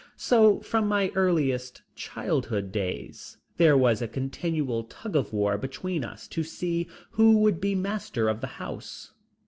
So from my earliest childhood days there was a continual tug of war between us to see who would be master of the house.